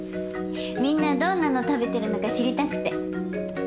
みんなどんなの食べてるのか知りたくて